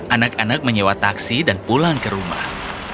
anak anak menyewa taksi dan pulang ke rumah